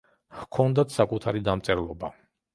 ჰქონდათ საკუთარი დამწერლობა.